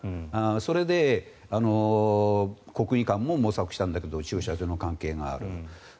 それで国技館も模索したんだけど駐車場の関係がある。